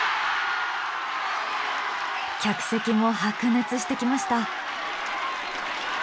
客席も白熱してきました。